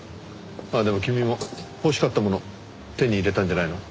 ああでも君も欲しかったもの手に入れたんじゃないの？